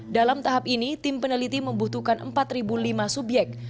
dalam tahap ini tim peneliti membutuhkan empat lima subyek